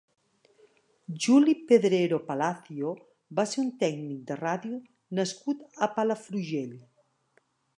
Juli Pedrero Palacio va ser un tècnic de ràdio nascut a Palafrugell.